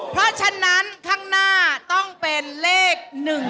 เพราะฉะนั้นข้างหน้าต้องเป็นเลข๑๒